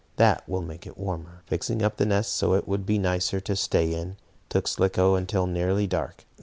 "That will make it warmer." Fixing up the nest so it would be nicer to stay in took Slicko until nearly dark.